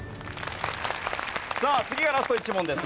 さあ次がラスト１問です。